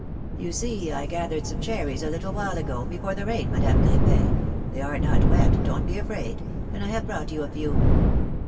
You see, I gathered some cherries a little while ago, before the rain, Madame Crepin — they are not wet, don^t be afraid — and I have brought you a few.